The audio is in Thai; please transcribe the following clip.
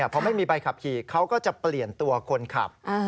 พอไม่มีใบขับขี่เขาก็จะเปลี่ยนตัวคนขับ